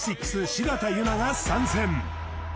柴田柚菜が参戦